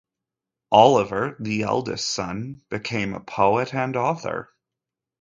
Oliver, the eldest son, became a poet and author.